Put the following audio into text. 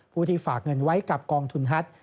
ผู้ที่ฝากเงินไว้กับกองทุนฮัต